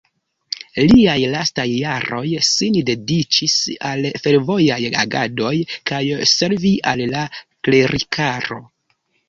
Liaj lastaj jaroj sin dediĉis al fervoraj agadoj kaj servi al la klerikaro.